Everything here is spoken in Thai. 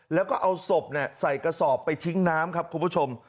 แล้วก็เอาศพใส่กระสอบไปทิ้งน้ำครับคุณผู้ชม